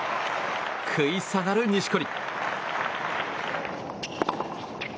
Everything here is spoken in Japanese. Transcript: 食い下がる錦織。